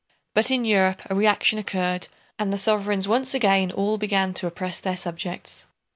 But in Europe a reaction occurred and the sovereigns once again all began to oppress their subjects."